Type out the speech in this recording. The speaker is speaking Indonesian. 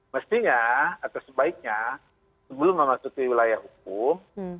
mestinya atau sebaiknya sebelum memasuki wilayah hukum